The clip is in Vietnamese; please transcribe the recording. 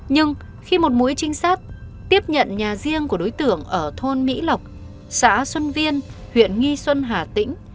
nhưng khi một mũi trinh sát tiếp nhận nhà riêng của đối tưởng ở thôn mỹ lọc xã xuân viên huyện nghi xuân hà tĩnh